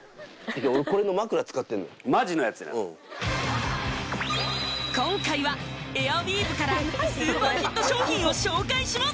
俺これの枕使ってんのマジのやつやうん今回はエアウィーヴからスーパーヒット商品を紹介します